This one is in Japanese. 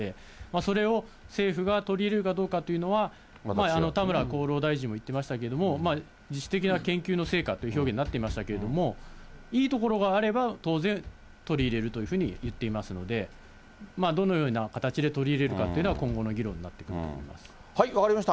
それを政府が取り入れるかどうかというのは、田村厚労大臣も言ってましたけども、自主的な研究の成果という表現になっていましたけれども、いいところがあれば当然、取り入れるというふうに言っていますので、どのような形で取り入れるかというのは、今後の議分かりました。